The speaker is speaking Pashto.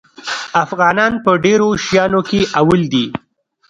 افغانان په ډېرو شیانو کې اول دي.